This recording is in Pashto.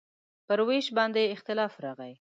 پر وېش باندې اختلاف راغی.